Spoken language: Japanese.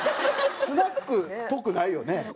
スナックっぽくないよね？